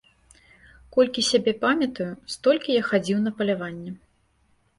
Колькі сябе памятаю, столькі я хадзіў на паляванне.